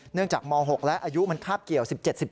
เนื่องจากม๖แล้วอายุมันคราบเกี่ยว๑๗๑๘